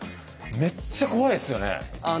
めっちゃ怖いですよね。